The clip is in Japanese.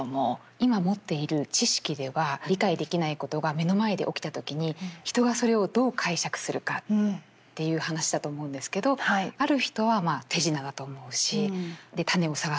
今持っている知識では理解できないことが目の前で起きた時に人はそれをどう解釈するかっていう話だと思うんですけどある人はまあ手品だと思うしでタネを探そうとしますよね。